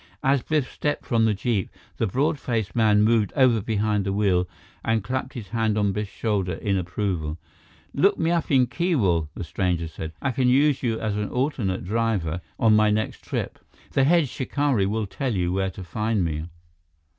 As Biff stepped from the jeep, the broad faced man moved over behind the wheel and clapped his hand on Biff's shoulder in approval. "Look me up at Keewal," the stranger said. "I can use you as an alternate driver on my next trip. The head shikari will tell you where to find me."